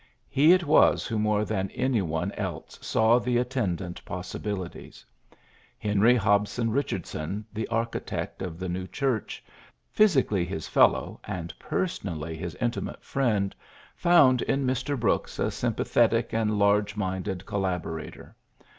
He it was who more than any one else saw the attendant possibilities. Henry Hobson Eichardson, the architect of the new church, physically his fellow and personally his intimate friend, found in Mr. Brooks a sympathetic and large minded collaborator.